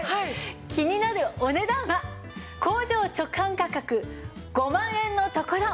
気になるお値段は工場直販価格５万円のところ